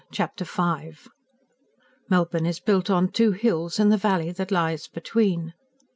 Chapter V Melbourne is built on two hills and the valley that lies between.